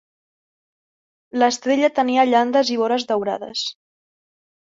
L'estrella tenia llandes i vores daurades.